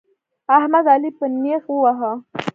احمد؛ علي په نېښ وواهه.